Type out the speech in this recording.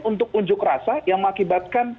untuk unjuk rasa yang mengakibatkan